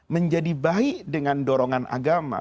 menjadi baik dengan dorongan agama